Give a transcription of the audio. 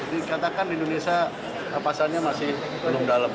dikatakan indonesia pasarnya masih belum dalam